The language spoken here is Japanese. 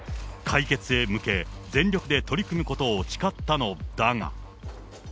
解決へ向け、全力で取り組むことを誓ったのだが。